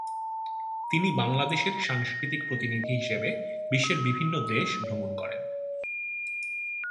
তিনি বাংলাদেশের সাংস্কৃতিক প্রতিনিধি হিসেবে বিশ্বের বিভিন্ন দেশ ভ্রমণ করেন।